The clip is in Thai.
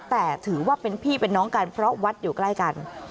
แต่ถือว่าเป็นพี่เป็นน้องกันเพราะวัดอยู่ใกล้กัน